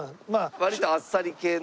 割とあっさり系の？